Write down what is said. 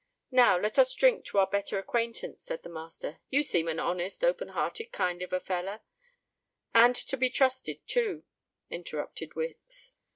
"Now let us drink to our better acquaintance," said the master. "You seem an honest, open hearted kind of a feller——" "And to be trusted, too," interrupted Wicks.